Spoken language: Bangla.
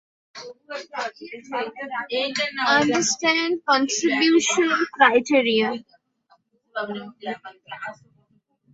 ভর্তির যোগ্যতা হলো উচ্চ মাধ্যমিক বা ও-লেভেল পাশ।